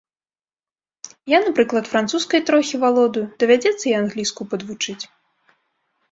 Я, напрыклад, французскай трохі валодаю, давядзецца і англійскую падвучыць.